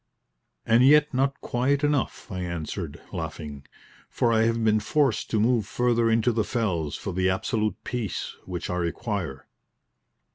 "And yet not quiet enough," I answered, laughing, "for I have been forced to move further into the fells for the absolute peace which I require."